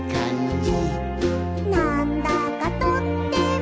「なんだかとっても」